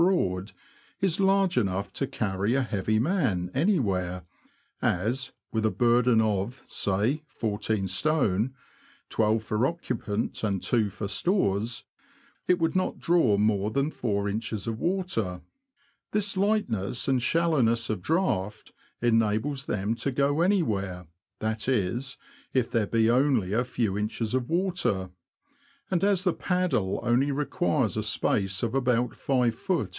broad, is large enough to carry a heavy man anywhere, as, with a burden of, say, fourteen stone (twelve for occupant and two for stores), it would not draw more than about 4in. of water. This lightness and shallowness of draught enables them to go anywhere — that is, if there be only a few inches of water ; and as the paddle only requires a space of about 5ft.